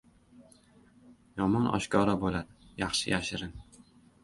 • Yomon oshkora bo‘ladi, yaxshi yashirin.